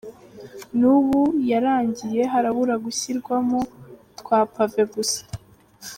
N’ubu yarangiye harabura gushyiramo twa pave gusa.